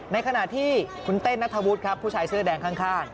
ในขณะที่คุณเต้นนัทธวุฒิครับผู้ชายเสื้อแดงข้าง